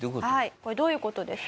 これどういう事ですか？